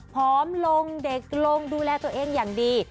พร้อมลงเด็กลงดูแลตัวเองอย่างดี